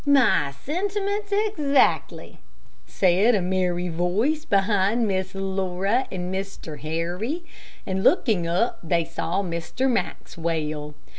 "My sentiments exactly," said a merry voice behind Miss Laura and Mr. Harry, and looking up they saw Mr. Maxwell.